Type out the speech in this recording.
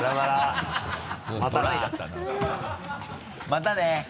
またね。